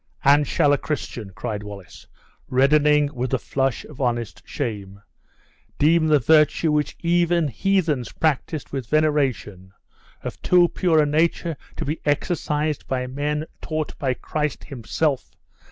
"And shall a Christian," cried Wallace, reddening with the flush of honest shame, "deem the virtue which even heathens practiced with veneration, of too pure a nature to be exercised by men taught by Christ himself?